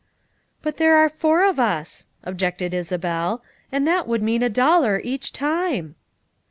"But there are four of us," objected Isabel, "and that would mean a dollar each time."